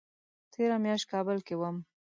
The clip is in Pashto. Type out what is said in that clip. تېره میاشت کابل کې وم